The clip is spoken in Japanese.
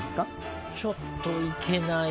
ちょっといけない。